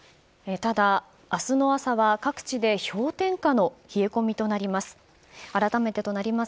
ただ、明日の朝は各地で氷点下の冷え込みとなります。